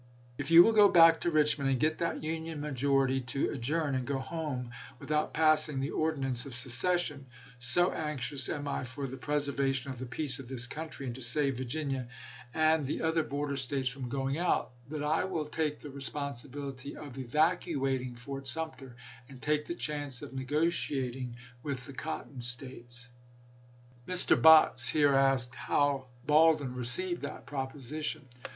If you will go back to Richmond, and get that Union majority to ad journ and go home without passing the ordinance of se cession, so anxious am I for the preservation of the peace of this country, and to save Virginia and the other i This messenger was not sent until the evening of April 6. VIRGINIA 425 border States from going out, that I will take the respon ch. xxv. sibility of evacuating Fort Sumter, and take the chance of negotiating with the Cotton States. Mr. Botts here asked how Baldwin received that proposition.